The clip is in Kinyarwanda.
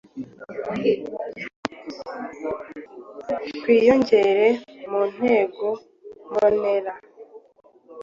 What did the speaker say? twiyongera mu ntego mbonera.